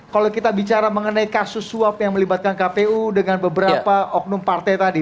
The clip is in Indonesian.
kalau kita bicara mengenai kasus suap yang melibatkan kpu dengan beberapa oknum partai tadi